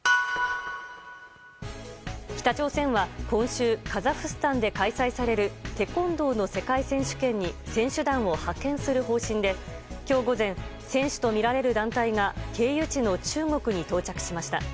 北朝鮮は今週カザフスタンで開催されるテコンドーの世界選手権に選手団を派遣する方針で今日午前、選手とみられる団体が経由地の中国に到着しました。